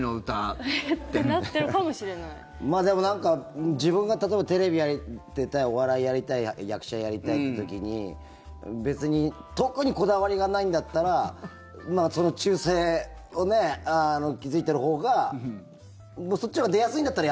でも、自分が例えばテレビ出たい、お笑いやりたい役者やりたいって時に、別に特にこだわりがないんだったら忠誠を築いているほうがそっちのほうが出やすいんだったら